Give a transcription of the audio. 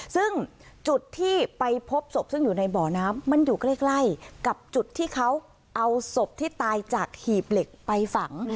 ซึ่งจุดที่ไปพบศพซึ่งอยู่ในบ่อน้ำมันอยู่ใกล้กับจุดที่เขาเอาศพที่ตายจากหีบเหล็กไปฝัง